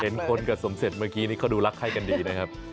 คนกับสมเสร็จเมื่อกี้นี่เขาดูรักไข้กันดีนะครับ